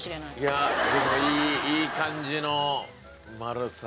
いやでもいい感じの丸さ。